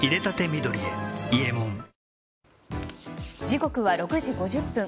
時刻は６時５０分。